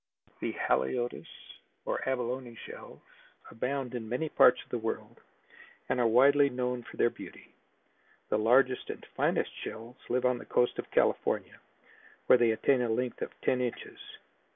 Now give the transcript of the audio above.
The Haliotis or abalone shells abound in many parts of the world and are widely known for their beauty. The largest and finest shells live on the coast of California where they attain a length of ten inches.